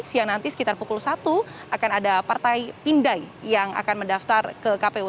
siang nanti sekitar pukul satu akan ada partai pindai yang akan mendaftar ke kpu